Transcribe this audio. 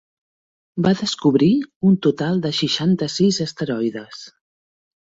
Va descobrir un total de seixanta-sis asteroides.